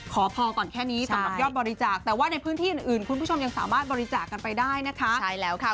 ขอพอก่อนแค่นี้สำหรับยอดบริจาคแต่ว่าในพื้นที่อื่นอื่นคุณผู้ชมยังสามารถบริจาคกันไปได้นะคะใช่แล้วค่ะ